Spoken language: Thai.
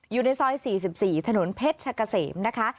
อยู่ในซอย๔๔ถนนเพชรชะกะเสมนะคะ